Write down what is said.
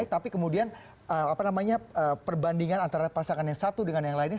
tapi kemudian perbandingan antara pasangan yang satu dengan yang lainnya